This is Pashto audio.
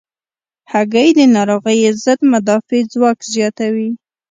هګۍ د ناروغیو ضد مدافع ځواک زیاتوي.